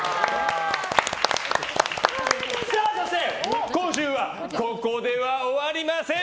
そして、今週はここでは終わりません！